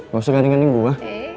gak usah ganding dua gue